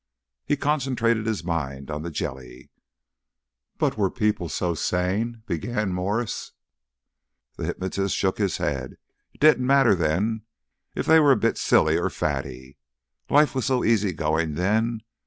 He concentrated his mind on the jelly. "But were people so sane ?" began Mwres. The hypnotist shook his head. "It didn't matter then if they were a bit silly or faddy. Life was so easy going then.